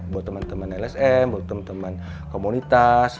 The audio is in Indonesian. buat teman teman lsm buat teman teman komunitas